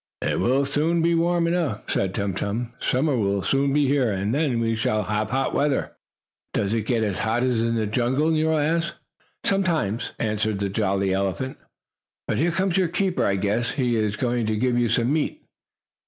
"It will soon be warm enough," said Tum Tum. "Summer will soon be here, and then we shall have hot weather." "Does it get as hot as in the jungle?" Nero asked. "Sometimes," answered the jolly elephant. "But here comes your keeper, I guess. He is going to give you some meat."